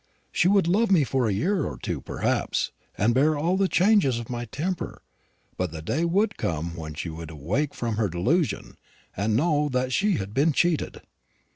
She would love me for a year or two perhaps, and bear all the changes of my temper; but the day would come when she would awake from her delusion, and know that she had been cheated.